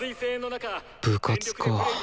部活か。